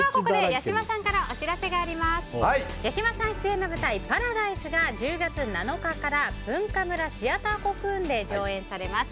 八嶋さん出演の舞台「パラダイス」が１０月７日からＢｕｎｋａｍｕｒａシアターコクーンで上演されます。